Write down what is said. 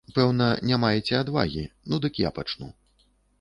Пэўна, не маеце адвагі, ну дык я пачну.